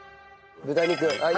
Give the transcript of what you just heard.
豚肉。